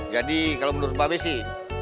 jadi kalo menurut babe sih